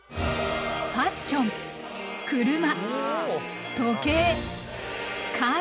ファッション車時計家具。